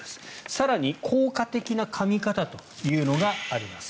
更に、効果的なかみ方というのがあります。